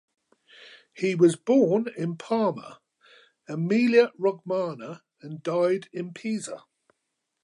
He was born in Parma, Emilia-Romagna, and died in Pisa.